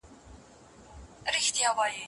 پلار بايد خپل اولاد ته تعليم ورکړي.